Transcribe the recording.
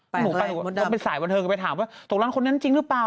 หนูไปสายบนเทิร์นกับเขาไปถามว่าตกร้านคนนั้นจริงหรือเปล่า